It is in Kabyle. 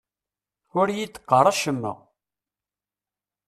Ur yi-d-qqar acemma.